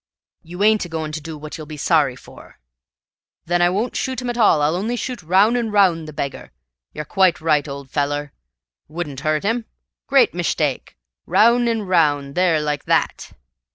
You ain't a going to do what you'll be sorry for." "Then I won't shoot at him, I'll only shoot roun' an' roun' the beggar. You're quite right, ole feller. Wouldn't hurt him. Great mishtake. Roun' an' roun'. There like that!"